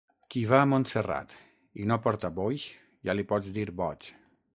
Qui va a Montserrat i no porta boix, ja li pots dir boig.